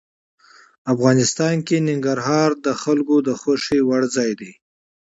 افغانستان کې ننګرهار د خلکو د خوښې وړ ځای دی.